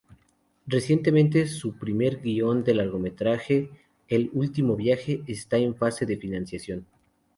Recientemente su primer guion de largometraje, "El último viaje", está en fase de financiación.